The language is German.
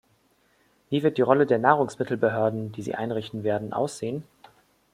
Wie wird die Rolle der Nahrungsmittelbehörden, die Sie einrichten werden, aussehen?